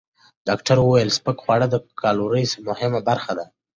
ډاکټره وویل، سپک خواړه د کالورۍ مهمه برخه دي.